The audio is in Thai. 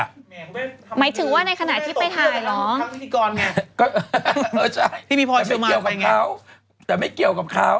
หมายถึงว่าในขณะที่ไปถ่ายเหรอแต่ไม่เกี่ยวกับเขา